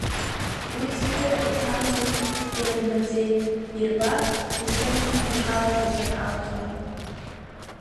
Уи сшәыра иҭамзи, ирымбаӡеит, ирбар, исымхны ихаларҵозар акәхарын.